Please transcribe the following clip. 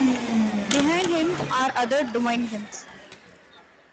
Behind him are other Dominicans.